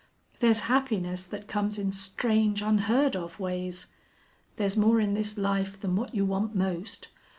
There's happiness that comes in strange, unheard of ways. There's more in this life than what you want most.